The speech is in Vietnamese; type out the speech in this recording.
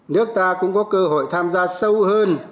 nước ta cũng có cơ hội tham gia sâu hơn